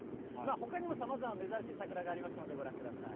ほかにもさまざま珍しい桜がありましたので、ご覧ください。